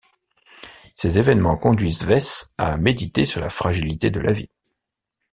Ces évènements conduisent Wes à méditer sur la fragilité de la vie.